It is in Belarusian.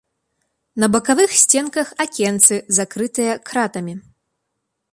На бакавых сценках акенцы, закрытыя кратамі.